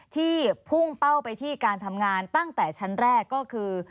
ที่พุ่งเป้าไปที่การทำงานตั้งแต่ชั้นแรกก็คือ